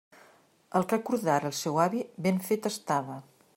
El que acordara el seu avi ben fet estava.